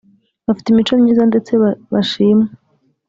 bafite imico myiza ndetse bashimwa